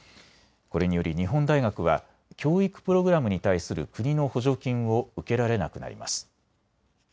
これにより日本大学は教育プログラムに対する国の補助金を受けられなくなります。